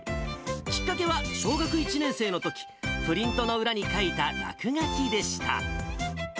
きっかけは小学１年生のとき、プリントの裏に描いた落書きでした。